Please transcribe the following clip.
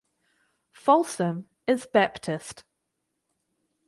Folsom is Baptist.